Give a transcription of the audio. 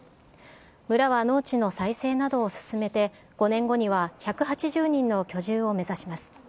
村は農地の再生などを進めて、５年後には１８０人の居住を目指します。